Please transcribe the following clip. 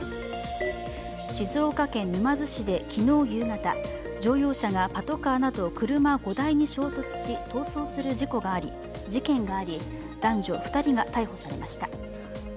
静岡県沼津市で昨日夕方、乗用車がパトカーなど車５台に衝突し、逃走する事件があり男女２人が逮捕されました。